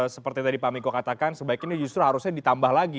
seperti tadi pak miko katakan sebaiknya justru harusnya ditambah lagi